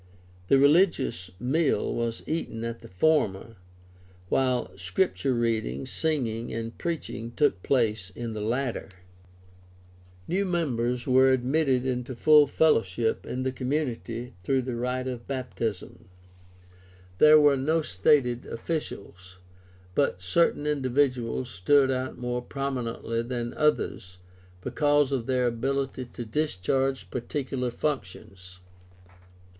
The religious meal was eaten at the former, while Scripture reading, singing, and preaching took place in the latter (cf. I Cor. 14:26 33). New members were admitted into full fellowship in the com munity through the rite of baptism. There were no stated officials, but certain individuals stood out more prominently than others because of their ability to discharge particular functions.